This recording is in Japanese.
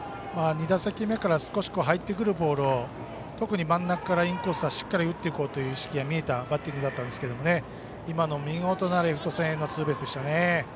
２打席目から入ってくるボールを特に、真ん中からインコースはしっかり打っていこうという意識が見えたバッティングだったんですが見事なレフト線へのツーベースでしたね。